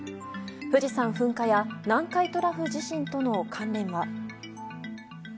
富士山噴火や南海トラフ地震との関連は？